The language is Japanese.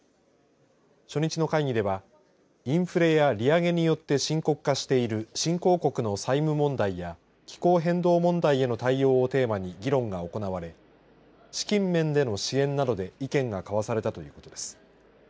初日の会議ではインフレや利上げによって深刻化している新興国の債務問題や気候変動問題への対応をテーマに議論が行われ資金面での支援などで意見が交わされたということです。